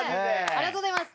ありがとうございます。